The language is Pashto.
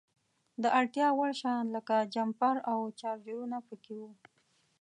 د اړتیا وړ شیان لکه جمپر او چارجرونه په کې وو.